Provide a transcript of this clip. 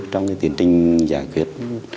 trong cái tiến trình giải quyết